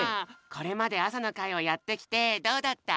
これまであさのかいをやってきてどうだった？